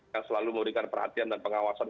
yang selalu memberikan perhatian dan pengawasan